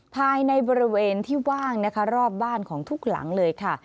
ภายในบริเวณที่ว่างนะคะรอบบ้านของทุกหลังเลยค่ะ